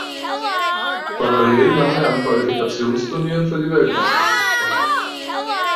Parallel nahm er an Qualifikationsturnieren für die Weltmeisterschaft teil.